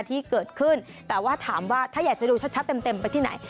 ที่เกิดขึ้นแต่ว่าถามว่าถ้าอยากจะดูชัดเต็มไปที่ไหน